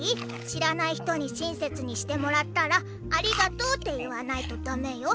しらない人にしんせつにしてもらったら「ありがとう」って言わないとだめよ。